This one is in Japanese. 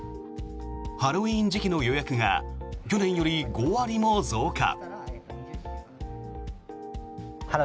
ハロウィーン時期の予約が去年より５割も増加。